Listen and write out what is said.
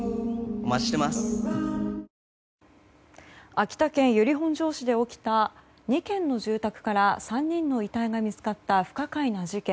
秋田県由利本荘市で起きた２軒の住宅から３人の遺体が見つかった不可解な事件。